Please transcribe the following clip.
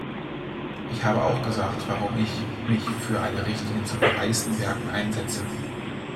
Ich habe auch gesagt, warum ich mich für eine Richtlinie zu verwaisten Werken einsetze.